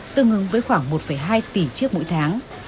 tương ứng với khoảng một hai tỷ chiếc mỗi tháng